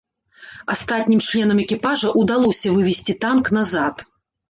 Астатнім членам экіпажа ўдалося вывесці танк назад.